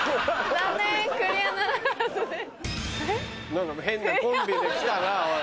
何か変なコンビで来たなおい。